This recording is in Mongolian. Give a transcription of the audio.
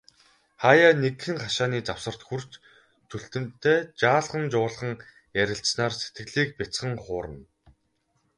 Хааяа нэгхэн, хашааны завсарт хүрч, Чүлтэмтэй жаал жуулхан ярилцсанаар сэтгэлийг бяцхан хуурна.